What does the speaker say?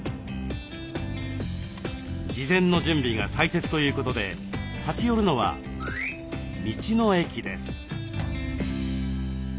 事前の準備が大切ということで立ち寄るのは「道の駅」です。